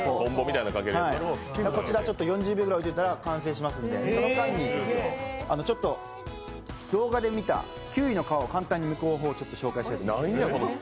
こちら４０秒ぐらい置いておいたら完成しますのでその間に、動画で見たキウイの皮を簡単にむく方法をご紹介します。